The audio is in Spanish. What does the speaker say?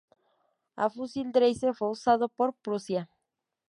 El fusil Dreyse fue usado por Prusia.